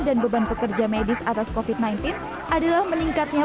dan beban pekerja medis atas covid sembilan belas adalah meningkatnya